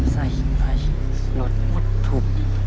ใส่ไข่รถปลดทุกข์